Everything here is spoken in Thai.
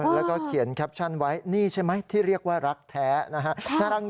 แล้วก็เขียนแคปชั่นไว้นี่ใช่ไหมที่เรียกว่ารักแท้นะฮะ